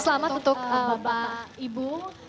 selamat untuk bapak ibu